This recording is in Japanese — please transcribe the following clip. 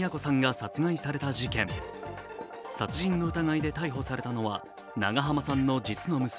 殺人の疑いで逮捕されたのは長濱さんの実の娘